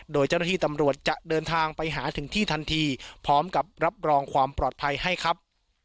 โดยเจ้าหน้าที่ตำรวจจะเดินทางไปหาถึงที่ทันทีพร้อมกับรับรองความปลอดภัยให้ครับ